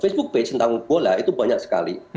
facebook bace tentang bola itu banyak sekali